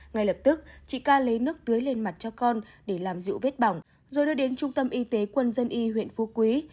ngay lập tức chị ca lấy nước tưới lên mặt cho con để làm dụ vết bỏng rồi đưa đến trung tâm y tế quân dân y huyện phú quý